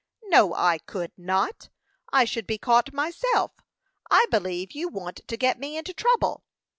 "No, I could not! I should be caught myself. I believe you want to get me into trouble."